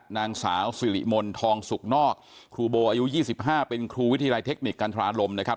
นางสาวสิริมนทองสุกนอกครูโบอายุ๒๕เป็นครูวิทยาลัยเทคนิคกันทราลมนะครับ